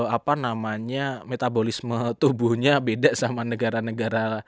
apa namanya metabolisme tubuhnya beda sama negara negara